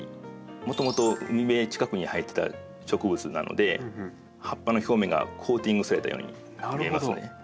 もともと海辺近くに生えてた植物なので葉っぱの表面がコーティングされたように見えますよね。